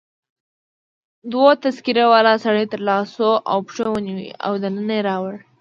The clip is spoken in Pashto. دوو تذکره والاو سړی تر لاسو او پښو ونیو او دننه يې راوړ.